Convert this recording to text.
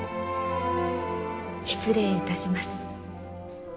失礼いたします。